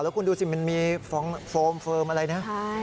คุณดูสิมันมีโฟมอะไรนะ